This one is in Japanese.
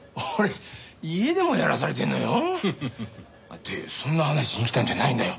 ってそんな話しに来たんじゃないんだよ。